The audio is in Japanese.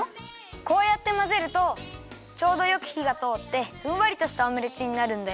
こうやってまぜるとちょうどよくひがとおってふんわりとしたオムレツになるんだよ。